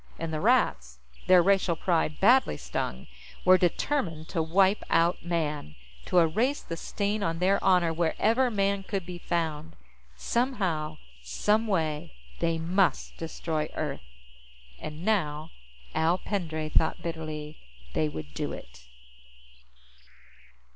And the Rats, their racial pride badly stung, were determined to wipe out Man, to erase the stain on their honor wherever Man could be found. Somehow, some way, they must destroy Earth. And now, Al Pendray thought bitterly, they would do it.